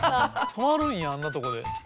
止まるんやあんなとこで。